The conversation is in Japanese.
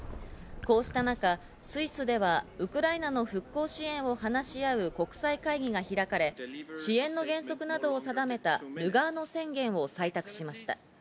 こうした中、スイスではウクライナの復興支援を話し合う国際会議が開かれ、支援の原則などを定めたルガーノ宣言を採択しました。